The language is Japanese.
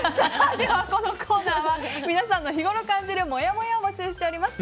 このコーナーは皆さんの日ごろ感じるもやもやを募集しています。